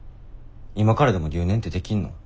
今からでも留年ってできんの？